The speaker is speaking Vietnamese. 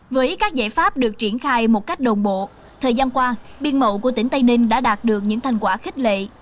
với các giải pháp được triển khai một cách đồng bộ thời gian qua biên mậu của tỉnh tây ninh đã đạt được những thành quả khích lệ